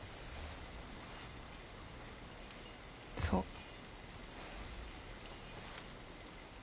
そう。